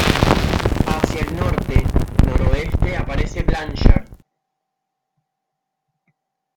Hacia el norte-noroeste aparece Blanchard.